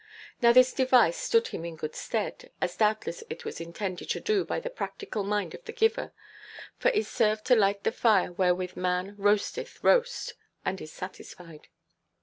Now this device stood him in good stead—as doubtless it was intended to do by the practical mind of the giver—for it served to light the fire wherewith man roasteth roast, and is satisfied.